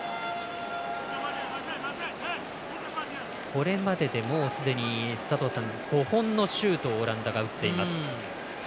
これまでで、もうすでに５本のシュートをオランダが打っています。